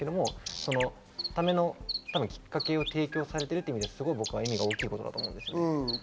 そのためのきっかけを提供されているという意味で大きいことだと思います。